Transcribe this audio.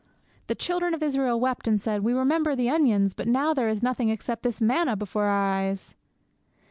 'The children of Israel wept and said, "We remember the onions, but now there is nothing except this manna before our eyes!"'